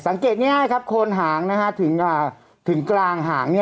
ง่ายครับโคนหางถึงกลางหาง